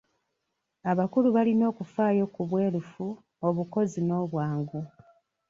"Abakulu balina okufaayo ku bwerufu, obukozi n'obwangu."